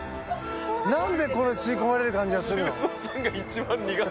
なんでこれ吸い込まれる感じがするの？